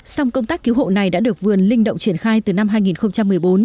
song công tác cứu hộ này đã được vườn linh động triển khai từ năm hai nghìn một mươi bốn